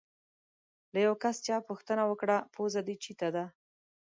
له یو کس چا پوښتنه وکړه: پوزه دې چیتې ده؟